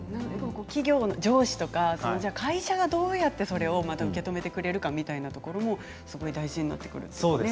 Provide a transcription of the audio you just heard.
企業の上司とか会社がどうやってそれを受け止めてくれるかということも大事になってくるんですね。